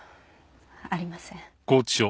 ありません。